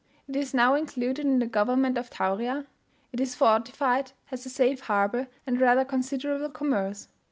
It is now included in the government of Tauria; it is fortified, has a safe harbour, and rather considerable commerce.